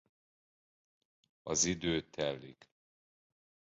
Az idő telik.